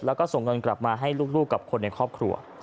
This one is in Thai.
แล้วก็ส่งเงินกลับมาให้ลูกกับคนในครอบครัว